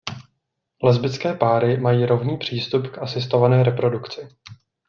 Lesbické páry mají rovný přístup k asistované reprodukci.